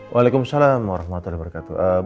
waalaikumsalam warahmatullahi wabarakatuh